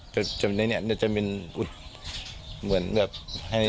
แต่ในนี้จะเป็นเหมือนแบบให้